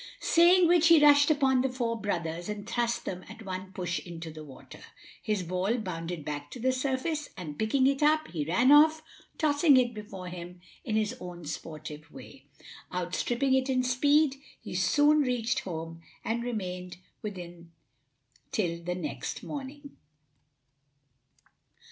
Saying which he rushed upon the four brothers and thrust them at one push into the water. His ball bounded back to the surface, and, picking it up, he ran off, tossing it before him in his own sportive way. Outstripping it in speed, he soon reached home and remained within till the next morning.